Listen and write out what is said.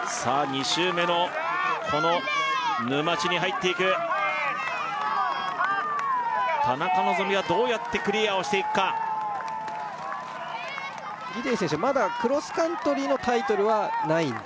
２周目のこの沼地に入っていく田中希実はどうやってクリアをしていくかギデイ選手はまだクロスカントリーのタイトルはないんですよね